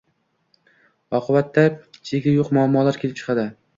Oqibatda cheki yo‘q muammolar kelib chiqadi.